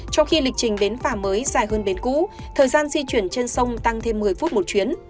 trong khi lịch trình bến phà mới dài hơn bến cũ thời gian di chuyển trên sông tăng thêm một mươi phút một chuyến